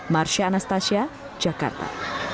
marsya anastasia jakarta